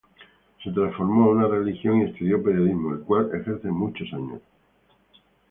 Se transformó a una religión y estudió periodismo, el cual ejerce hace muchos años.